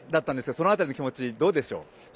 その辺りの気持ち、どうでしょう。